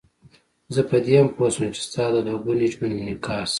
زه په دې هم پوه شوم چې ستا د دوه ګوني ژوند انعکاس.